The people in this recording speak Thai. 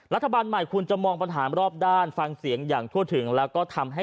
รัฐบาลใหม่ควรจะมองปัญหารอบด้านฟังเสียงอย่างทั่วถึงแล้วก็ทำให้